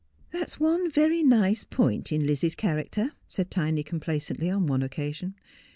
' That's one very nice point in Lizzie's character,' said Tiny complacently, on one occasion.